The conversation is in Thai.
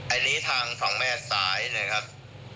อันนี้ทางทองแม่สายนะครับ